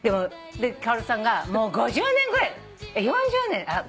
カオルさんがもう５０年ぐらい４０年？